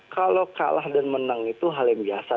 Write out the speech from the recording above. kalau kalah dan menang itu hal yang biasa